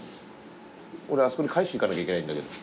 俺あそこに返しに行かなきゃいけないんだけど。